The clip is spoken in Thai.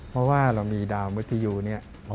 เพราะว่าเรามีดาวมุทยูเนี่ย